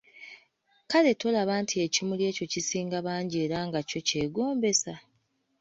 Kale tolaba nti ekimuli ekyo kisinga bangi era nga kyo kyegombesa ?